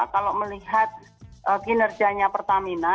kalau melihat kinerjanya pertamina